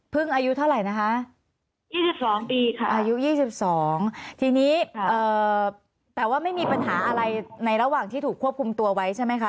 อายุเท่าไหร่นะคะ๒๒ปีค่ะอายุ๒๒ทีนี้แต่ว่าไม่มีปัญหาอะไรในระหว่างที่ถูกควบคุมตัวไว้ใช่ไหมคะ